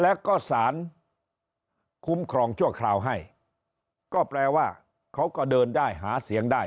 แล้วก็สารคุ้มครองชั่วคราวให้ก็แปลว่าเขาก็เดินได้หาเสียงได้